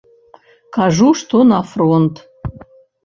Кажу, што на фронт.